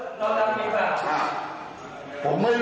แล้วเรากำลังไปก่อนหรือเปล่าค่ะผมไม่รู้